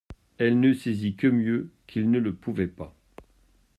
Elle n’en saisit que mieux qu’il ne le pouvait pas.